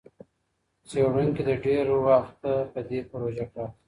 څېړونکي له ډېر وخته په دې پروژه کار کاوه.